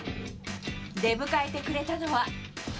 出迎えてくれたのは。